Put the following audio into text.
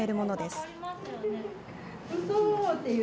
すごい。